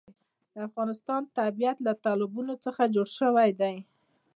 د افغانستان طبیعت له تالابونه څخه جوړ شوی دی.